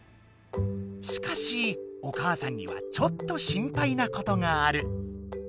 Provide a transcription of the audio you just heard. しかしお母さんにはちょっと心配なことがある。